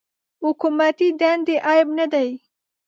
حکومتي دندې عیب نه دی.